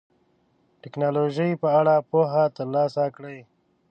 د ټکنالوژۍ په اړه پوهه ترلاسه کړئ.